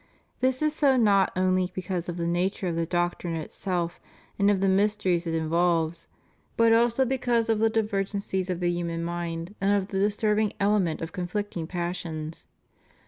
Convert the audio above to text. This is so not only be cause of the nature of the doctrine itself and of the mys teries it involves, but also because of the divergencies of the human mind and of the disturbing element of confhcting passions.